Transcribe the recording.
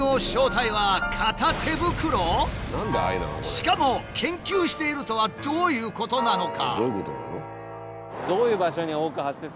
しかも研究しているとはどういうことなのか？